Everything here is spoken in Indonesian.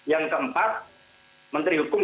yang keempat menteri hukum